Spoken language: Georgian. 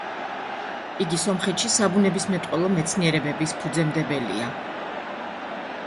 იგი სომხეთში საბუნებისმეტყველო მეცნიერებების ფუძემდებელია.